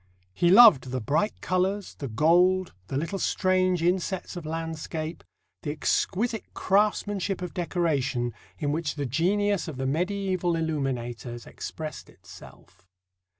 He loved the bright colours, the gold, the little strange insets of landscape, the exquisite craftsmanship of decoration, in which the genius of the medieval illuminators expressed itself.